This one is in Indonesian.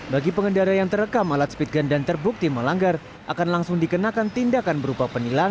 bagi pengendara yang terekam alat speed gun dan terbukti melanggar akan langsung dikenakan tindakan berupa penilaian